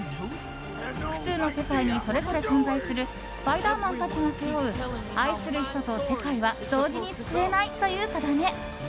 複数の世界にそれぞれ存在するスパイダーマンたちが背負う愛する人と世界は同時に救えないという定め。